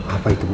apa itu bu